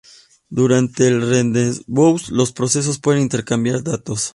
Durante el rendezvous los procesos pueden intercambiar datos.